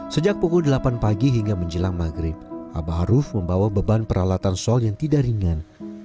sejak pukul delapan pagi hingga menjelang maghrib abah aruf membawa beban peralatan sol yang tidak ringan